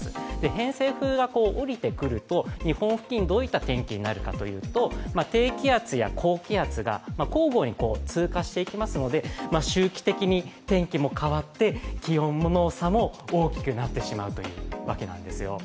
偏西風が下りてくると日本付近どういった天気になるかといいますと低気圧や高気圧が交互に通過していきますので周期的に天気も変わって、気温の差も大きくなってしまうわけなんですよ